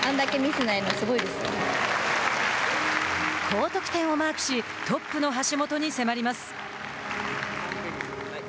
高得点をマークしトップの橋本に迫ります。